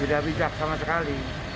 tidak bijak sama sekali